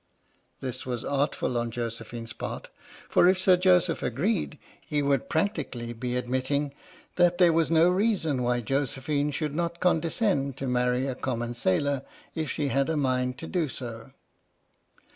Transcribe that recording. This was artful on Josephine's part, for if Sir Joseph agreed, he would practically be admitting that there was no reason why Josephine should not condescend to marry a common sailor if she had a mind to do so.